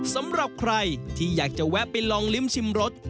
สำหรับใครที่อยากจะแวะไปลองลิ้มชิมรส